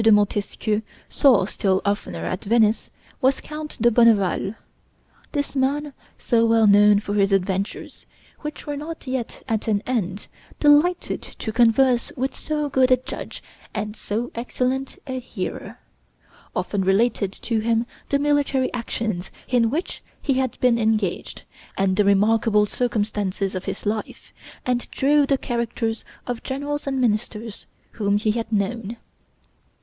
de Montesquieu saw still oftener at Venice, was Count de Bonneval. This man, so well known for his adventures, which were not yet at an end, delighted to converse with so good a judge and so excellent a hearer, often related to him the military actions in which he had been engaged, and the remarkable circumstances of his life, and drew the characters of generals and ministers whom he had known.